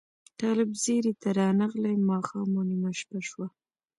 طالب ځیري ته رانغلې ماښام و نیمه شپه شوه